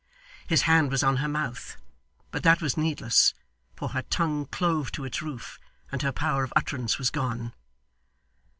His hand was on her mouth, but that was needless, for her tongue clove to its roof, and her power of utterance was gone.